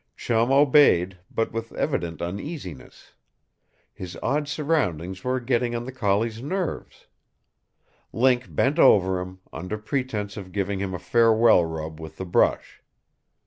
Chum obeyed, but with evident uneasiness. His odd surroundings were getting on the collie's nerves. Link bent over him, under pretense of giving him a farewell rub with the brush.